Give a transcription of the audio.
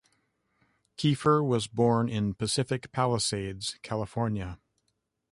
Keifer was born in Pacific Palisades, California.